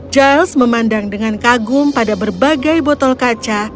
giles memandang dengan kagum pada berbagai botol kaca